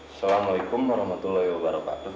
assalamualaikum warahmatullahi wabarakatuh